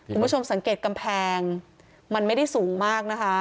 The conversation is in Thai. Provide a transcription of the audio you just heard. คุณผู้ชมสังเกตกำแพงมันไม่ได้สูงมากนะคะ